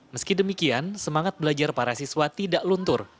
meski demikian semangat belajar para siswa tidak luntur